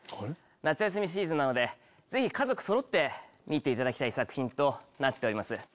夏休みシーズンなので家族そろって見ていただきたい作品となっております。